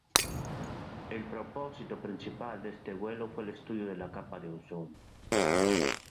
El propósito principal de este vuelo fue el estudio de la capa de ozono.